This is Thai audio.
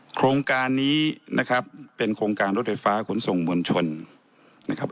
โครงการนี้นะครับเป็นโครงการรถไฟฟ้าขนส่งมวลชนนะครับ